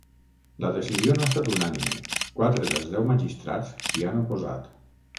La decisió no ha estat unànime, quatre dels deu magistrats s’hi han oposat.